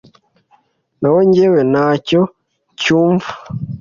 naho jyewe, nta cyo ncyumva